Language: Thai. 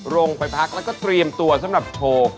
ลงไปพักแล้วก็เตรียมตัวสำหรับโชว์